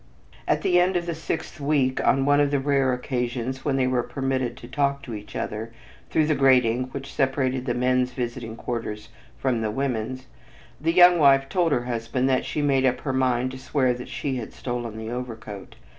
At the end of the sixth week, on one of the rare occasions when they were permitted to talk to each other through the grating which separated the men's visiting quarters from the women's, the young wife told her husband that she made up her mind to swear that she had stolen the overcoat.